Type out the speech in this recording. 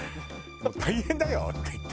「大変だよ！」って言って。